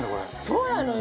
そうなのよ